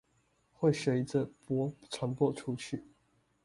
會隨著波傳播出去